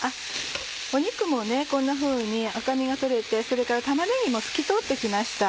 肉もこんなふうに赤みが取れてそれから玉ねぎも透き通って来ました。